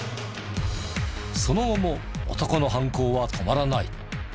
その後も男の犯行は止まらない。